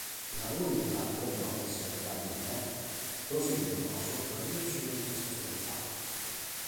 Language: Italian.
I lavori della Como-Varese-Laveno proseguirono sotto la direzione di questa società.